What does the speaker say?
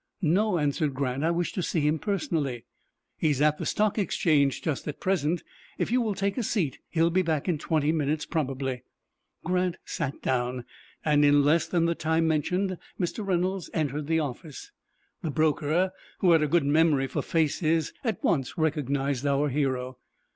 "No," answered Grant; "I wish to see him personally." "He is at the Stock Exchange just at present. If you will take a seat, he will be back in twenty minutes, probably." Grant sat down, and in less than the time mentioned, Mr. Reynolds entered the office. The broker, who had a good memory for faces, at once recognized our hero.